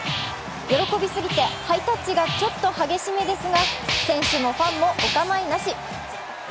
喜びすぎてハイタッチがちょっと激しめですが選手もファンもお構いなし。